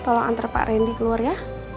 tolong antar pak randy keluar ya